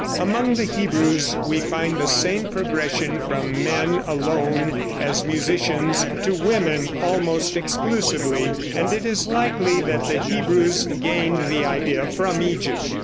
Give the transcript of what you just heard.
] Among the Hebrews we find the same progression from men alone as musicians to women almost exclusively, and it is likely that the Hebrews gained the idea from Egypt.